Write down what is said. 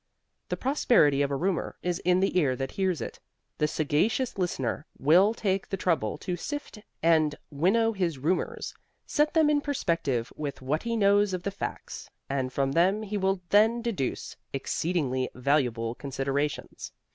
The prosperity of a rumor is in the ear that hears it. The sagacious listener will take the trouble to sift and winnow his rumors, set them in perspective with what he knows of the facts and from them he will then deduce exceedingly valuable considerations.